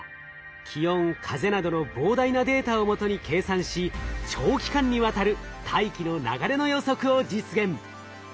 気温風などの膨大なデータを基に計算し長期間にわたる大気の流れの予測を実現。